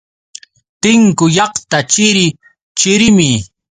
Tinku llaqta chiri chirimi.